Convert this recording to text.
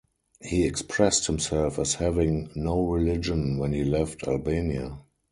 He expressed himself as having "no religion" when he left Albania.